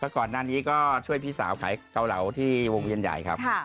ก่อนหน้านี้ก็ช่วยพี่สาวขายเกาเหลาที่วงเวียนใหญ่ครับ